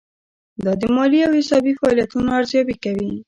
دا د مالي او حسابي فعالیتونو ارزیابي کوي.